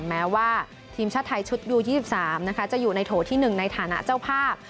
แม้ว่าทีมชาติไทยชุดยู๒๓นะคะจะอยู่ในโถที่๑ในฐานะเจ้าภาพ